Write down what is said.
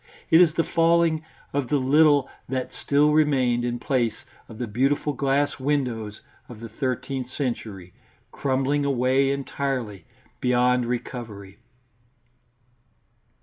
It is the falling of the little that still remained in place of the beautiful glass windows of the thirteenth century, crumbling away entirely, beyond recovery.